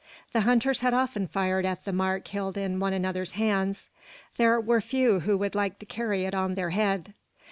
The hunters had often fired at the mark held in one another's hands. There were few who would like to carry it on their head.